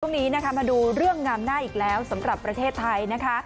ช่วงนี้นะคะมาดูเรื่องงามหน้าอีกแล้วสำหรับประเทศไทยนะคะ